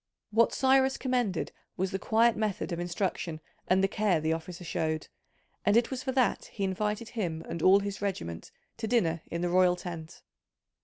What Cyrus commended was the quiet method of instruction and the care the officer showed, and it was for that he invited him and all his regiment to dinner in the royal tent.